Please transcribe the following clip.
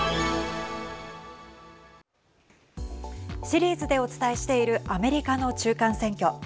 シリーズでお伝えしているアメリカの中間選挙。